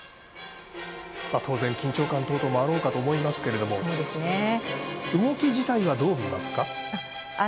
当然、緊張感等々もあろうかと思いますけれども動き自体は、どうみますか？